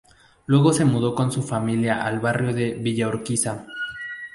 Luego se mudó con su familia al barrio de Villa Urquiza.